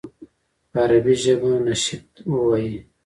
په عربي ژبه نشید ووایي.